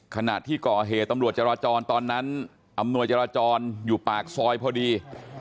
ขณะที่ก่อเหตุตำรวจจราจรตอนนั้นอำนวยจราจรอยู่ปากซอยพอดี